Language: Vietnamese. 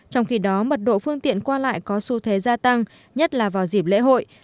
trong khi đó mật độ phương tiện qua lại có xu thế gia tăng nhất là vào dịp lễ hội